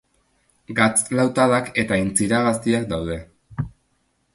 Gatz-lautadak eta aintzira gaziak daude.